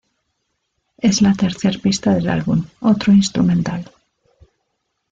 Es la tercer pista del álbum, otro instrumental.